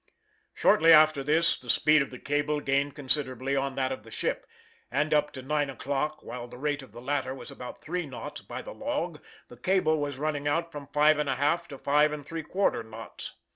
Shortly after this the speed of the cable gained considerably on that of the ship, and up to nine o'clock, while the rate of the latter was about three knots, by the log, the cable was running out from five and a half to five and three quarter knots.